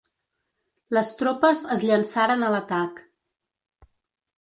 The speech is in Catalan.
Les tropes es llançaren a l'atac.